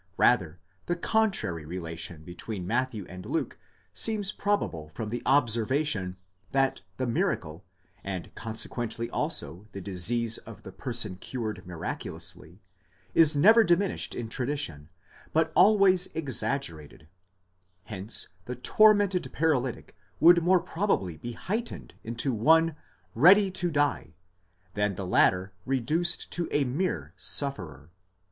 Rather, the contrary relation between Matthew and Luke seems probable from the observation, that the miracle, and consequently also the disease of the person cured miraculously, is never diminished in tradition but always exaggerated ; hence the tormented paralytic would more probably be heightened into one ready to die, μέλλων τελευτᾷὰν, than the latter reduced to a mere sufferer.